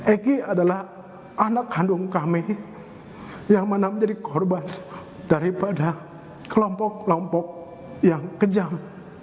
egy adalah anak kandung kami yang mana menjadi korban daripada kelompok kelompok yang kejam